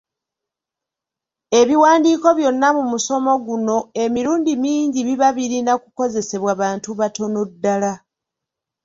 Ebiwandiiko byonna mu musomo guno emirundi mingi biba birina kukozesebwa bantu batono ddala.